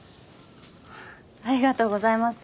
ありがとうございます。